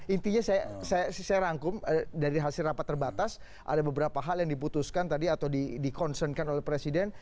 intinya saya rangkum dari hasil rapat terbatas ada beberapa hal yang diputuskan tadi atau dikonsenkan oleh presiden